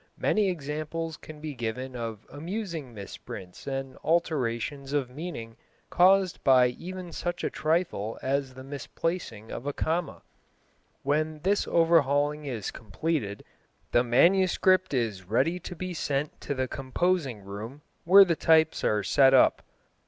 Many examples can be given of amusing misprints and alterations of meaning caused by even such a trifle as the misplacing of a comma. When this overhauling is completed the manuscript is ready to be sent to the composing room where the types are set up.